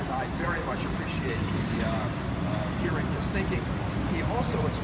ในวักษณะสงสัยของออลานด้าที่ฉันขอบคุณ